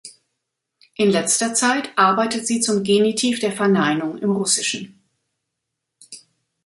In letzter Zeit arbeitet sie zum Genitiv der Verneinung im Russischen.